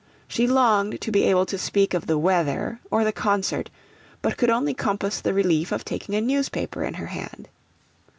She longed to be able to speak of the weather or the concert, but could only compass the relief of taking a newspaper in her hand.